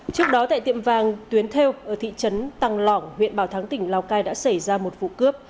trước đó tại tiệm vàng tuyến thêu ở thị trấn tăng lỏng huyện bảo thắng tỉnh lào cai đã xảy ra một vụ cướp